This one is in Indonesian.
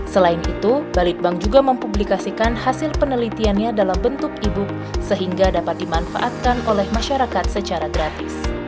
selain itu balitbank juga mempublikasikan hasil penelitiannya dalam bentuk e book sehingga dapat dimanfaatkan oleh masyarakat secara gratis